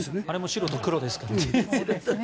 あれも白と黒ですからね。